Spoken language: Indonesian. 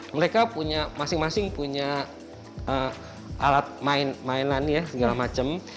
mereka punya masing masing punya alat mainan ya segala macam